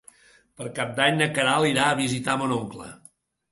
Per Cap d'Any na Queralt irà a visitar mon oncle.